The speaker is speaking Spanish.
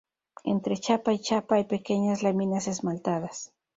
Entre chapa y chapa hay pequeñas láminas esmaltadas.